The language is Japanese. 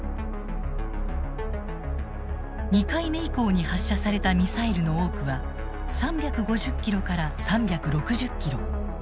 ２回目以降に発射されたミサイルの多くは３５０ｋｍから３６０ｋｍ。